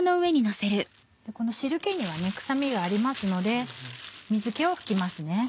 この汁気には臭みがありますので水気を拭きます。